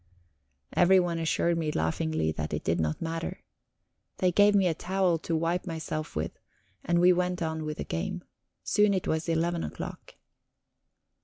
Everyone assured me laughingly that it did not matter. They gave me a towel to wipe myself with, and we went on with the game. Soon it was eleven o'clock.